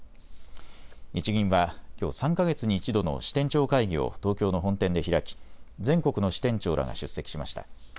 日銀はきょう３か月に１度の支店長会議を東京の本店で開き全国の支店長らが出席しました。